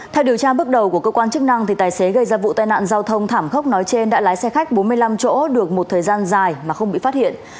theo điều tra bước đầu của cơ quan chức năng tài xế gây ra vụ tai nạn giao thông thảm khốc nói trên đã lái xe khách bốn mươi năm chỗ được một thời gian dài mà không bị phát hiện